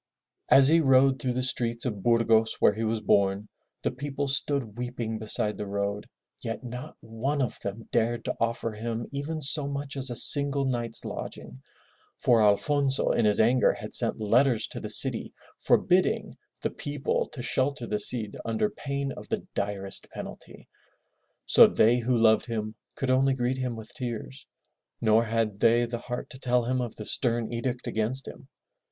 As he rode through the streets of Burgos, where he was born, the people stood weeping beside the road, yet not one of them dared to offer him even so much as a single night's lodging, for Alfonso in his anger had sent letters to the city forbidding the people to shelter the Cid under pain of the direst penalty. So they who loved him could only greet him with tears, nor had they the heart to tell him of the stem edict against him.